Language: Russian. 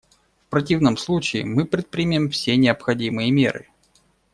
В противном случае мы предпримем все необходимые меры.